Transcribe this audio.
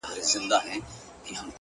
بيا دي توري سترگي زما پر لوري نه کړې.